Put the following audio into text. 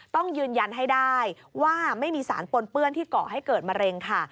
ต้องยืนยันให้ได้ว่าไม่มีสารปนเปื้อนที่เกาะให้เกิดมะเร็งค่ะ